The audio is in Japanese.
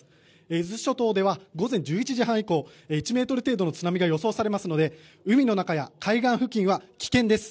伊豆諸島では午前１１時半以降１ｍ程度の津波が予想されますので海の中や海岸付近は危険です。